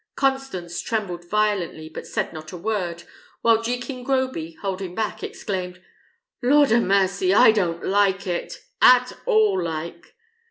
Constance trembled violently, but said not a word, while Jekin Groby, holding back, exclaimed, "Lord 'a mercy! I don't like it at all like!"